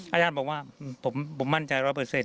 อาจารย์บอกว่าผมมั่นใจ๑๐๐